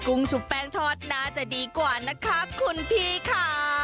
ุ้งซุปแป้งทอดน่าจะดีกว่านะครับคุณพี่ค่ะ